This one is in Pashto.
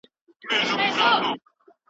خلکو له خپلو ملګرو سره مرسته کوله.